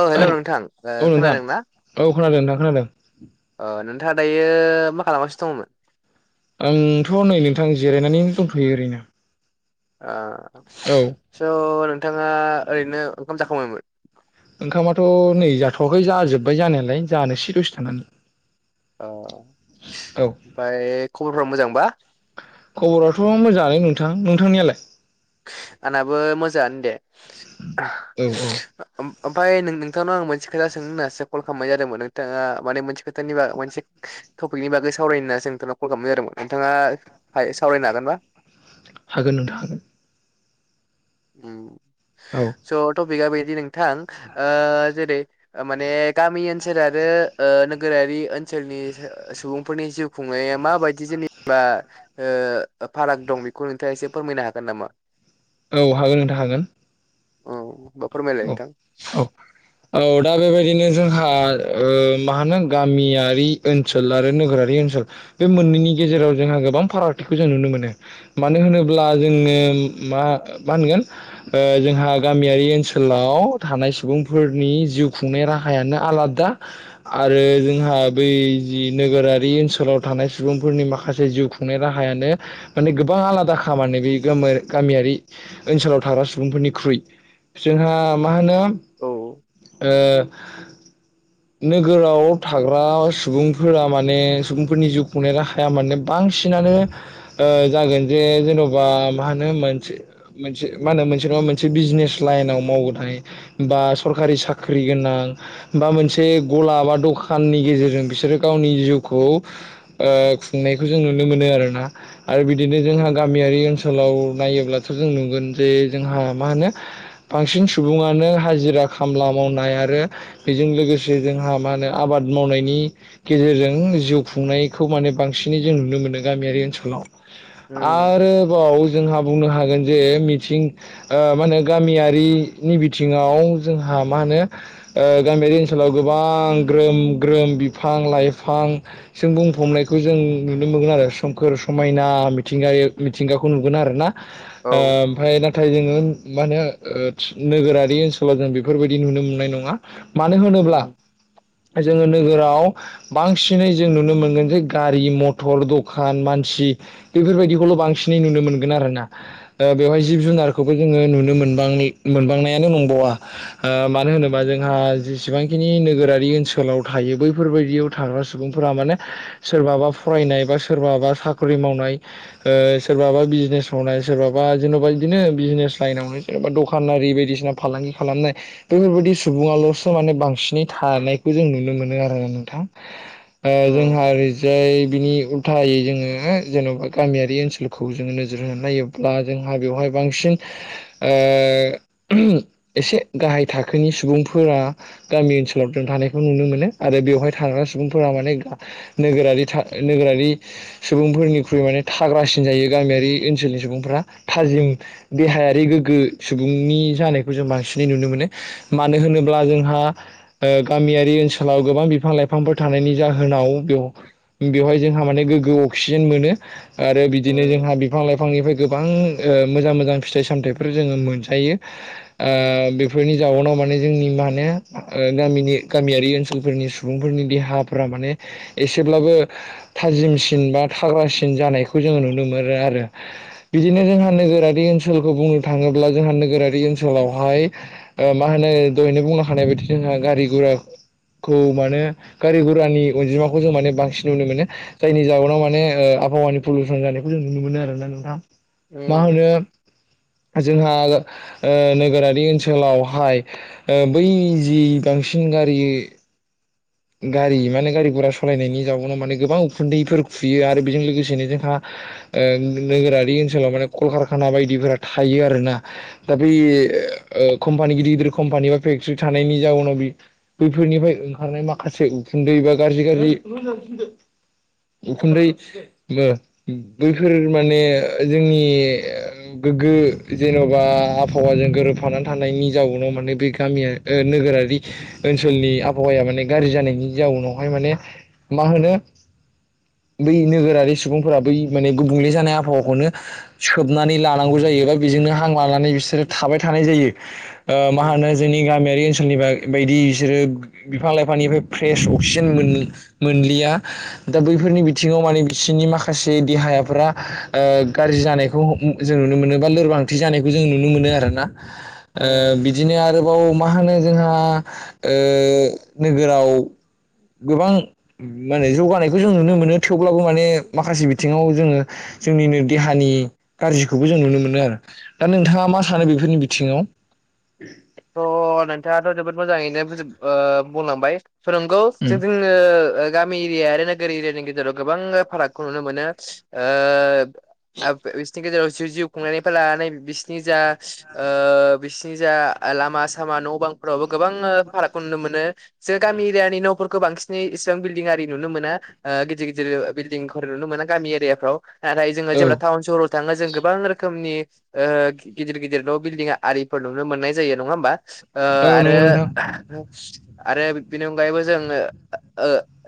औ हेलौ नोंथां नोंथां खोनादों ना? औ खोनादों नोंथां खोनादों। नोंथाङा दायो मा खालामासिनो दङमोन? आंथ' नै नोंथां जिरायनानै दंफैयो ओरैनो। ओ औ स' नोंथाङा ओरैनो ओंखाम जाखांबायमोन? थाखै जाजोबबाय जानायालाय जानोस दसे थानानै। औ ओमफ्राय खबर फोरा मोजांबा? खबरथ मोजाङानो नोंथां नोंथांनियालाय? आंनाबो मोजाङानो दे औ औ ओमफाय नों नोंथांनाव आं मोनसे खोथा सोंनो होननासो कल खालामनाय जादोंमोन नोंथाङा माने मोनसे खोथानि ब मोनसे टपिकनि बागै सावरायनोसो होनना नोंथांनाव कल खालामनाय जादोंमोन नोंथाङाहा सावरायनो हागोनबा? हागोन नोंथां हागोन। उम औ जोंहाबो बे टपिका बेबायदि नोंथां नोंथां जेरै माने गामि ओनसोल आरो नोगोरारि ओनसोलनि सुबुंफोरनि जिउ खुंनाया माबायदि जेनेबा फाराग दं बेखौ नोंथाङा एसे फोरमायनो हागोन नामा? औ हागोन नोंथा हागोन। औ फोरमायलाय औ नोंथां औ औ दा बेबायदिनो जोंहा मा होनो गामियारि ओनसोल आरो नोगोरारि ओनसोल बे मोननैनि गेजेराव जोंहा गोबां फारागथिखौ जों नुनो मोनो मानो होनोब्ला जोंनो म मा होनगोन? जोंहा गामियारि ओनसोलाव ओनसोलाव थानाय सुबुंफोरनि जिउ खुंनाय राहायानो आलादा आरो जोंहा बै जि नोगोरारि ओनसोलाव थानाय सुबुंफोरनि माखासे जिउ खुंनाय राहायानो माने गोबां आलादा खामानि बे गामियारि ओनसोलाव थाग्रा सुबुंफोरनिख्रुइ जोंहा मा होनो औ ओ नोगोराव थाग्रा सुबुंफोरा माने सुबुंफोरनि जिउ खुंनाय राहाया माने बांसिन बांसिनानो ओ जागोन जे जेन'बा मा होनो मोनसे मोनसे मा होनो मोनसे नङा मोनसे बिजनेस लाइनाव मावबथाय बा सरकारि साख्रि गोनां बा मोनसे से गला बा दखाननि गेजेरजों बिसोरो गावनि जिउखौ ओ खुंनायखौ जों नु नुनो मोनो आरोना आरो बिदिनो जोंहा उम गामियारि ओनसोलाव नायोब्लाथ जों नुगोन जे जोंहा मा होनो बांसिन सुबुङानो हाजिरा खामला मावनाय आरो बेजों लोगोसे जोंहा मा होनो आबाद मावनायनि गेजेरजों जिउ खुंनायखौ माने बांसिनै जों नुनो मोनो। मोनदों गामियारि ओनसोलाव उम आरोबाव जोंहा बुंनो हागोन जे मिथिं ओ माने गामियारिनि बिथिङाव जोंहा मा होनो ओ गामियारि ओनसोलाव गोबां ग्रोम ग्रोम बिफां लाइफांजों बुंफबनायखौ जों नुनो मोनो। सोमखोर समायना मि मिथिंगाखौ नुगोन आरोना औ ओ ओमफ्राय नाथाय जोङो म नोगोरारि ओनसोलाव जों बेफोरबायदि नुनो मोननाय नङा। मानो होनोब्ला उम जों नोगोराव बांसिनै जों नुनो मोनगोन जे गारि मथर दखान मानसि बेफोरबायदिखौल' बांसिनै नुनो मोनगोन आरोोना बेवहाय जिब जुनारखौबो जोङो नुनो मोन मोनांनायानो नंबावा ओ मानो होनोबा जोंहा जेसेबांखिनि नोगोरारि ओनसोलाव थायो बैफोरबायदियाव थाग्रा सुबुंफोरा माने सोरबाबा फराय नाया सोरबाबा स मावनाय ओ सोरबाबा बिजने मावनाया जेन'बा बिदिनो बिजने लाइनो जेनेबा दखानारि बायदिसिना फालांगि खालामनाय बेफोरबायदि सुबुङा लस माने बांसिनै थानायखौ जों नुनो मोनो आरो नोंथां उम जोंहा ओरैजाय बिनि उल्थायै जोङो जेन'बा गामियारि ओनसोलखौ जोङो नोजोर होनो नायोब्ला जोंहा बेवहाय बांसिन ओ एसे गाहाय थाखोनि सुबुंफोरा गामि ओनसोलाव जों थानायखौ नुनो मोनो आरो बेवहाय थाग्रा सुबुंफोरा माने नोगोरारि नोगोरारि सुबुंफोरनिख्रुइ माने थाग्रासिन जायो गामियारि ओनसोलनि सुबुंफोरा थाजिम देहायारि गोग्गो सुबुंनि जानायखौ जों बांसिनै नुनो मोनो मानो होनोब्ला जों गामियारि ओनसोलाव गोबां बिफां लाइफांफोर थानायनि जाहोनाव [unintelligible] बेवहाय जोंहा माने गोग्गो अक्सिजेन मोनो। आरो बिदिनो उम जोंहा बिफां लाइफांनिफ्राय गोबां मोजां मोजां फिथाइ सामथाइफोर जोङो मोनजायो। उम बेफोरनि जाउनाव माने जोंनि मान ओ गामिनि गामियारि ओनसोलफोरनि सुबुंफोरनि देहाफोरा माने एसेब्लाबो थाजिमसिन बा थाग्रासिन जानायखौ जोङो नुनो मोनो आरो बिदिनो जोंहा नोगोरारि ओनखौ बुंनो थाङोब्ला जोंहा नोगोरारि ओनसोलावहाय ओ मा होनो दहनो बुंनो हानाय बायदि जोंहा गारि गरा खौ माने गारि गुरानि अनजिमाखौ जों माने बांसिन नुनो मोनो जायनि जाउनाव माने ओ आबहावानि पलिउसन जानायखौ जों नुनो मोनो आरोना नोंथां मा उम होनो? जोंहा ओ नोगोरारि ओनसोलावहाय ओ बै जि बांसिन गारि गारि माने गारि गघरा सालायनायनि जाउनाव माने गोबां उखुन्दैफोर खुयो आरो बेजों लोगोसेनो जोंहा नोगोरारि ओनसोलाव माने कलकारखाना बायदिफोरा थायो आरोना दा बे कम्पानि गिदिर गिदिर कम्पानि बा फेक्टर्रि थानायनि जाउनाव बैफोरनिफ्राय ओंखारनाय माखा से उखुन्दै बा गाज्रि गाज्रि उखुन्दै बैफोर माने जोंनि गोग्गो जेन'बा आबहावाजों गोरोबफानानै थानायनि जाउनाव माने बे गामिया नोगोर ओनसोलनि आबहावाया माने गाज्रि जानायनि जाउनावहाय माने मा होनो [unintelligible] बै नोगोरारि सुबुंफोरा बै माने गुबुंले जानाय आबहावाखौनो सोबनानै लानांगौ जायोबा बेजों बिनो हां लानानै बिसोरो थाबाय थानाय जायो। मा होनो उम जोंनि गामियारि ओनसोलनि बायदि बिसोरो बिफां -लाइफां आफानिफ्राय फ्रेस अक्सिजेन मोनलिया दा बैफोरनि बिथिङाव माने बिसिोरनि माखासे जे देहायाफ्रा गाज्रि जानायखौ जों नुनो मोनो बा लोरबांथि जानायखौ जों नुनो मोनो आर ना उम बिदिनो आरोबाव मा होनो जोंहा नोगोराव गोबां माने जौगानायखौ जों नुनो मोनो थेवब्लाबो माने माखासे बिथिङाव जोङो जोंनिनो देहानि गाज्रिखौबो जों नुनो मोनो आरो दा नोंथाङा मा सानो बेफोरनि बिथिङाव [unintelligible] थ' नोंथाङाथ' जोबोद मोजाङैनोज बुंलांबाय फोरोंगौ उम जों गामि एरिया आरो नोगोर एरियानि गेजेराव गोबां फारागखौ नुनो मोनो। बिसिनि गेजेराव जि जिउ खुंनायनिफ्राय लानानै बिसोरनि जा बि नि जा लामा सामा न' बांफोरावबो गोबां फारागखौ नुनो मोन जों गामि एरियानि न' बांसिनै इसिबां बिल्दिं आरि नुनो मोना गिदिर गिदिर बिल्डिंफोर नुनो मोना गामि एरियाफ्राव नाथाय जो औ जेब्ला टाउन सहराव थाङो जों गोबां रोखोमनि ओ गिदिर गिदिर न' बिल्डिं आरिफोर नुनो मोननाय जायो नङा होमबा ओ औ आरो नंगौ नोंथां आरो बेनि अनगायैबो जोङो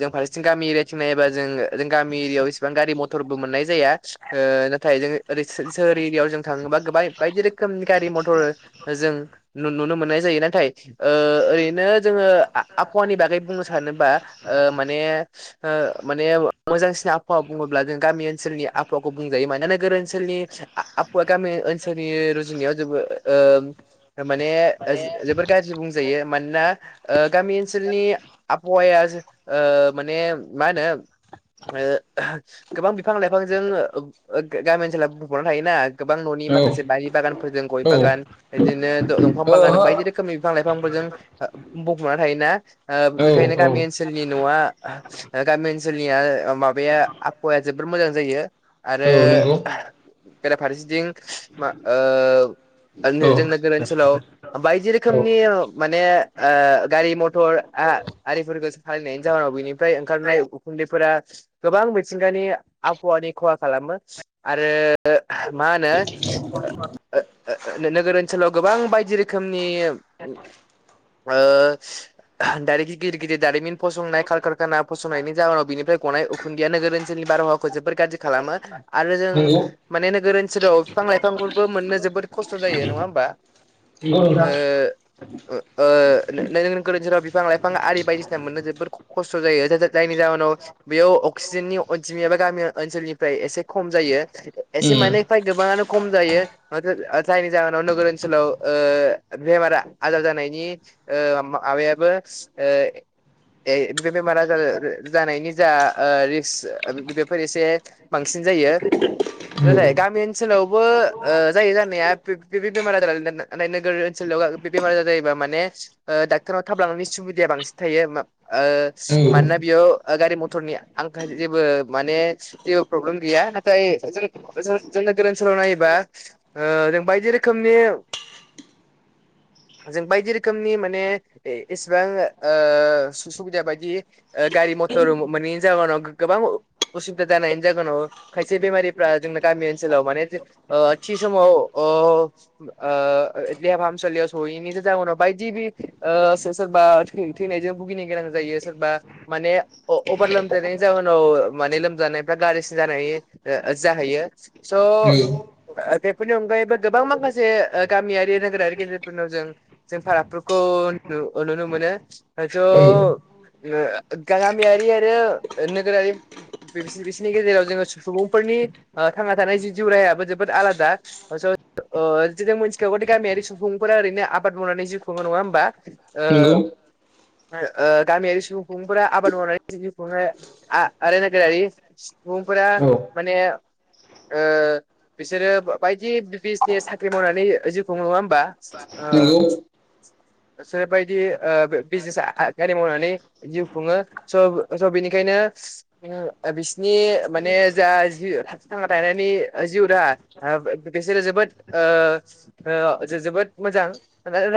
जों फारसेथिं गामि एरियाथिं नायोबा जों जों गामि एरिया बो एसेबां गारि मथरबो मोननाय जाया ओ ओरै जोङो सो सोहोर एरियायाव थाङोब्ला गोबां बाय बायदि रोखोमनि रोखोम गारि मथर जों नुनो मोननाय जायो नाथाय ओ ओरैनो जोङो आ आबहावानि बागै बुंनो सानोबा माने माने मोजांसिन आबहावा बुङोब्ला जों गामि ओनसोलनि आबहावाखौ बुंजायो मानोना नोगोर ओनसोलनि आबहावा गामि ओनसोलनि रुजुनायाव जोबो। ओ माने जोबोर गाज्रि बुंजायो मानोना गामि ओनसोलनि आबहावाया ओ माने मा होनो ओ गोबां बिबांनि बिफां लाइफांजों गामि ओनसोाव बुफबना थायो ना गोबां न'नि औ माखासे बारि बागानफोरजों गय औ बागान बिदिनो दंफां बागान ओहो बायदि रोखोमनि बिफां लाइफांफोर बुंफबना थायोना औ बेनिायनो औ गामि ओनसोलनि नि न'आ गामि ओनसोलनि ओनसोलनिया माबाया आबहावाया जोबोर मोजां जायो आरो औ नंगौ बेराफारसेथिं ओ औ जोंनो गोर याव बायदि औ रोखोमनि माने ओ गारि मथरिफोरखौ नि जाहोनाव बिनिफ्राय ओंखारनाय उखुनदै फोरा गोबां मिथिंगानि आबहावानि खहा खालामो आरो ओ मा होनो ओ ओ ओ नोगोर ओनसोलाव गोबां बायदि रोखोमनि ओ दाइरेक गिदिर गिदिर दारिमिन फसंनाय कारकारखाना फसंनायनि जाहोनाव बिनिफ्राय गनाय उखुनदैया नोगोर सोलनि बारहावाखौ जोबोर गाज्रि खालामो आरो जों नंगौ माने नोगोर ओनसोलाव बिफां लाइफांफोरबो मोननो जोबोद खसथ' जायो नङा होमबा ओ नोंथां ओ ओ गोदो जेराव बिफां लाइफां आरि बायदिसिना मोननो जोबोद खसथ' जायो नाथाय जायनि नि जाहोनाव बेयाव अक्सिजेननि अनजिमायाबो गामि ओनसोलनिफ्राय एसे खम जायो एसे माने फाय गोबाङानो खम जायो जायनि जाहोनाव नोगोर ओनसोल ओनसोलाव ओ बेमारा आजार जानायनि माबायाबो ए बेमार आजार जानायनि जा ओ रिक्स बेफोर एसे बांसिन [unintelligible] जथाय नंगौ गामि ओनसोलावबो ओ जायो जानाया बे बेमार नोगोर ओनसोलाव बेमार आ जायोब माने डक्टनाव थाबलांनायनि सुबिदाया बांसिन थायो ओ औ मानोना बेयाव गारि मथरनि आं जेबो माने जेबो प्रब्लेम गैया नाथाय जों नोगोर ओनसोलाव नायोबा जों बायदि रोखोमनि जों बायदि रोखोमनि माने एसेबां ओ सुबिदा बायदि गारि गारि मथर मोनैनि जाव गोबां असुबिदा जानायनि जोनाव खायसे बेमारिफ्रा जों गामि ओनसोलाव माने ओ थि समाव ओ ओ देहा फाहामसालियाव सहैयैनि जाहोनाव बायदि बि सेस थैनायजों भुगिनो गोनां जायो सोरबा माने अभार लोमजानायनि जाहोनाव माने लोमजानायफ्रा गारजिसिन जानाय जाहैयो स बेफोरनि अनगायैबो गोबां माखासे से गामियारि नोगोरारि गेजेरफोरनाव जों जों फारागफोरखौ नुनो मोनो [unintelligible] गामियारि आरो नोगोरारि बिसोरनि गेजेराव जोङो सुबुंफोर नि थांना थानाय जि जिउ राहायाबो जोबोद आलादा ओ जों मिथिखागौदि गामियारि सुबुंफोरा ओरैनो आबाद मावनानै जिउ खुङो नङा होमबा नंगौ आ गामियारि सुबुंफोरा आबाद मावनानै आरायना गोरारि सुबुंफोरा माने बिसोरो बायदि ज साख्रि मावनानै जिउखौ नङा होमबा सोरबायदि बिजनेस गारि मावनानै जिउ खुङो सनि बेखायनो बिसिनि माने जा जि थथि थांना थानायनि जिउ राहा बेसेल जबो जोबोद मोजां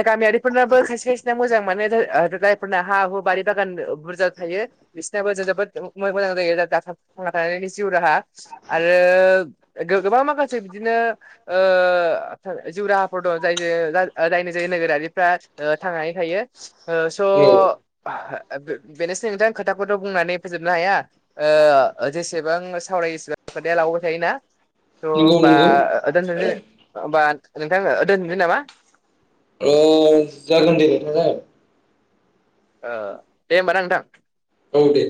गामियारिफोरनाबो खायसे खायसेना मोजां माने गायफोरना हा हु बारि बागान बुरजा थायो बिसोरनाबो जों जोबोद मोजां जायो आरो थांना थानायनि जिउ राहा आरो गोबां माखासे बिदिनो ओ जिउ राहाफोर दं जाय जायनि जाय नोगोरारिफ्रा थांनानै थायो स' औ बेनोसै नोंथां खोथाखौथ' बुंनानै फोजोबनो हाया जेसेबां फराय खोथाया लाबोबाय थायोना थ' नंगौ हबा नंगौ होमबा नोंथांनो दोनसै नामा ओ जागोन दे नथाङा जाग दे होनोमबा ना नोंथां औ दे